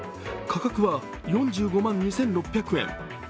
価格は４５万２６００円。